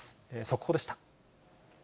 速報でした。